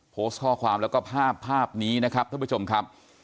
โพสต์ข้อความแล้วก็ภาพภาพนี้นะครับท่านผู้ชมครับ